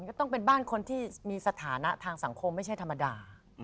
ก็ต้องเป็นบ้านคนที่มีสถานะทางสังคมไม่ใช่ธรรมดา